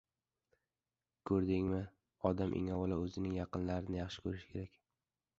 — Ko‘rdingmi, odam eng avvalo o‘zining yaqinlarini yaxshi ko‘rishi kerak.